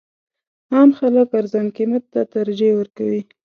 عام خلک ارزان قیمت ته ترجیح ورکوي.